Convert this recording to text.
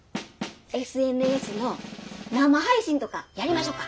ＳＮＳの生配信とかやりましょか。